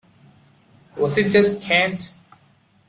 Was it just cant?